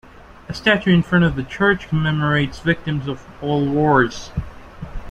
A statue in front of the church commemorates victims of all wars.